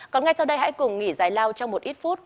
còn ngay sau đây hãy cùng nghỉ dài lao trong một ít phút